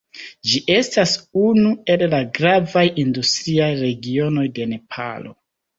Ĝi estas unu el la gravaj industriaj regionoj de Nepalo.